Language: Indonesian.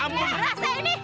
nih rasa ini